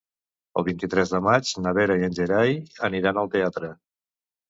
El vint-i-tres de maig na Vera i en Gerai aniran al teatre.